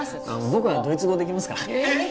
僕はドイツ語できますからえっ！